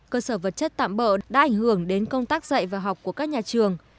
cơ sở vật chất tạm bỡ đã ảnh hưởng đến công tác dạy và học của các nhà trường